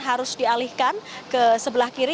harus dialihkan ke sebelah kiri